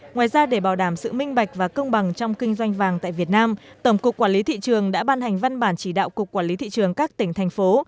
ngoài ra để bảo đảm sự minh bạch và công bằng trong kinh doanh vàng tại việt nam tổng cục quản lý thị trường đã ban hành văn bản chỉ đạo cục quản lý thị trường các tỉnh thành phố